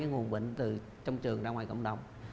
nguồn bệnh từ trong trường ra ngoài cộng đồng